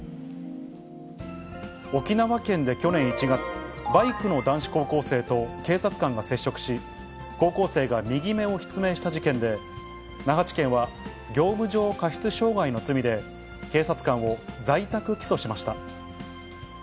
沖縄県で去年１月、バイクの男子高校生と警察官が接触し、高校生が右目を失明した事件で、那覇地検は業務上過失傷害の罪で、警察官を在宅起訴しました。